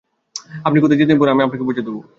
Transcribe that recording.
আপনি কোথায় যেতে চান বলুন, আমি আপনাকে পৌঁছে দেব।